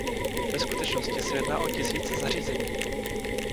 Ve skutečnosti se jedná o tisíce zařízení.